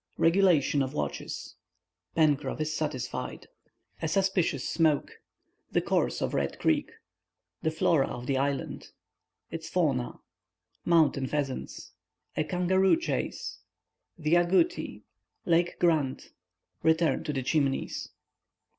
REGULATION OF WATCHES—PENCROFF IS SATISFIED—A SUSPICIOUS SMOKE—THE COURSE OF RED CREEK—THE FLORA OF THE ISLAND—ITS FAUNA—MOUNTAIN PHEASANTS—A KANGAROO CHASE—THE AGOUTI—LAKE GRANT—RETURN TO THE CHIMNEYS.